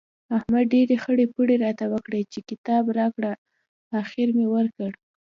احمد ډېرې خړۍ پړۍ راته وکړې چې کتاب راکړه؛ اخېر مې ورکړ.